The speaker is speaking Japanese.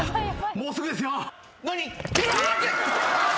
もうすぐですよ。何！？